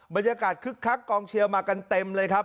บรรยากาศคึกคักกองเชียวมากันเต็มเลยครับ